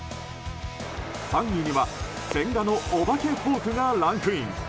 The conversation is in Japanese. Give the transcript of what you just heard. ３位には千賀のお化けフォークがランクイン。